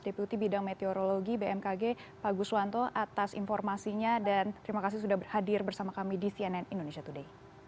deputi bidang meteorologi bmkg pak guswanto atas informasinya dan terima kasih sudah hadir bersama kami di cnn indonesia today